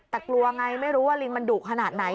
แต่กลัวไงไม่รู้ว่าลิงมันดุขนาดไหน